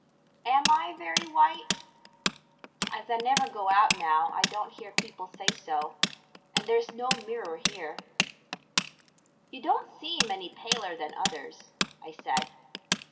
Am I very white? As I never go out now I don't hear people say so, and there's no mirror here." "You don't seem any paler than others," I said.